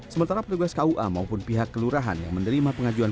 sementara petugas kua maupun pihak kelurahan yang menerima pengajuan